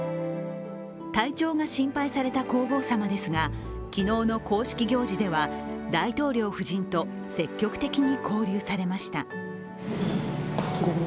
体調が心配された皇后さまですが、昨日の公式行事では大統領夫人と積極的に交流されました。